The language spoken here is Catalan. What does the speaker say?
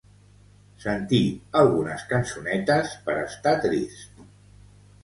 Sentir algunes cançonetes per estar trist.